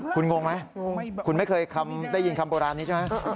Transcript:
คุณงงไหมคุณไม่เคยได้ยินคำโบราณนี้ใช่ไหม